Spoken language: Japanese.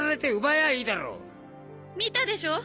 見たでしょ。